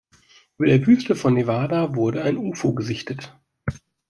Über der Wüste von Nevada wurde ein Ufo gesichtet.